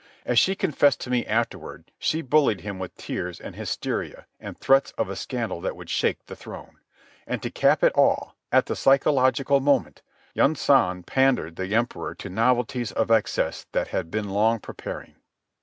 As she confessed to me afterward, she bullied him with tears and hysteria and threats of a scandal that would shake the throne. And to cap it all, at the psychological moment, Yunsan pandered the Emperor to novelties of excess that had been long preparing.